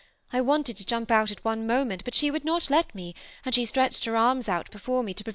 I wanted to jump out at one moment, but she would not let me, and she stretched her arms out before me to pre?